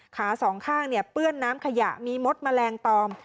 สองข้างเปื้อนน้ำขยะมีมดแมลงตอม